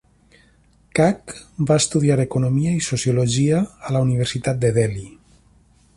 Kak va estudiar economia i sociologia a la Universitat de Delhi.